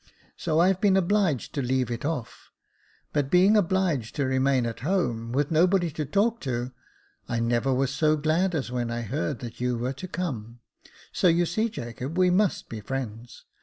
So I've been obliged to leave it off: but being obliged to remain at home, with nobody to talk to, I never was so glad as when I heard that you were to come ; so you see, Jacob, we must be friends.